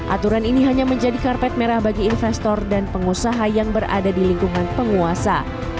aturan ini hanya menjadi karpet merah bagi investor dan pengusaha yang berada di lingkungan penguasa